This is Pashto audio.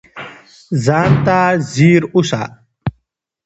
ځان ته ځیر اوسه